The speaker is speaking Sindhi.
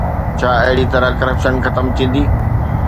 ڇا اهڙي طرح ڪرپشن ختم ٿيندي؟